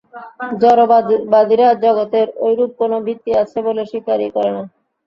জড়বাদীরা জগতের ঐরূপ কোন ভিত্তি আছে বলে স্বীকারই করে না।